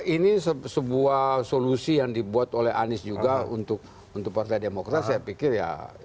ini sebuah solusi yang dibuat oleh anies juga untuk partai demokrat saya pikir ya